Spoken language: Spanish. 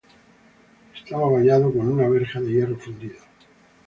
Estaba vallado con una verja de hierro fundido.